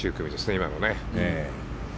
今のがね。